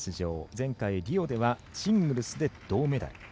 前回、リオではシングルスで銅メダル。